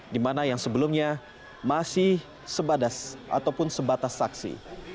di mana yang sebelumnya masih sebadas ataupun sebatas saksi